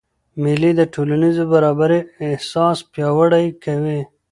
مېلې د ټولنیزي برابرۍ احساس پیاوړی کوي.